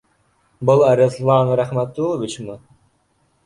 Был Арыҫлан Рәхмәтулловичмы?